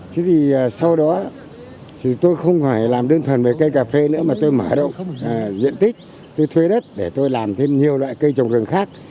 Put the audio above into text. thế thì sau đó thì tôi không phải làm đơn thuần về cây cà phê nữa mà tôi mở đâu diện tích tôi thuê đất để tôi làm thêm nhiều loại cây trồng rừng khác